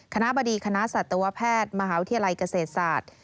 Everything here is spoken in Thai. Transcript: คณะบดีคณะสัตวแพทย์มหาวิทยาลัยเกษตรศาสตร์